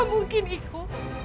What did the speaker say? tidak mungkin igo